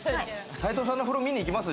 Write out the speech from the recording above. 斉藤さんの風呂、見に行きます？